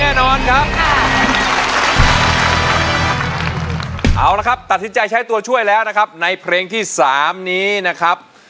เอาละครับตัดสินใจใช้ตัวช่วยแล้วนะครับในเพลงที่๓นี้นะครับ